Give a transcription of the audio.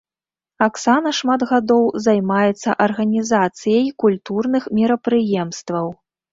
Аксана шмат гадоў займаецца арганізацыяй культурных мерапрыемстваў.